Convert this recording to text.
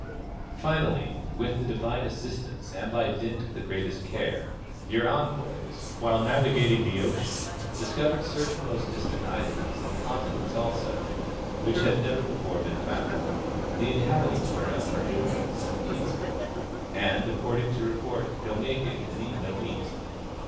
Finally, with the divine assistance and by dint of the greatest care, your envoys, while navigating the ocean, discovered cer tain most distant islands, and continents also, which had never before been found, the inhabitants whereof are numerous and peaceful and, according to report, go naked and eat no meat.